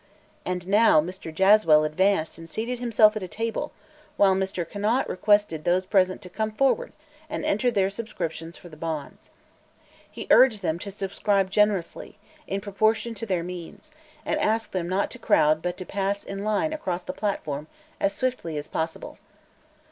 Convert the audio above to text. And now Mr. Jaswell advanced and seated himself at a table, while Mr. Conant requested those present to come forward and enter their subscriptions for the bonds. He urged them to subscribe generously, in proportion to their means, and asked them not to crowd but to pass in line across the platform as swiftly as possible.